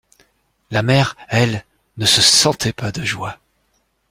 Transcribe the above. La mère, elle, ne se sentait pas de joie.